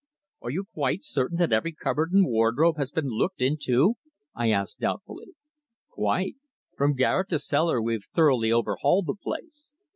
"Are you quite certain that every cupboard and wardrobe has been looked into?" I asked doubtfully. "Quite. From garret to cellar we've thoroughly overhauled the place.